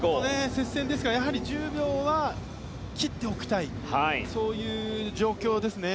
接戦ですから１０秒は切っておきたいそういう状況ですね。